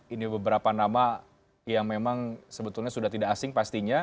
ini beberapa nama yang memang sebetulnya sudah tidak asing pastinya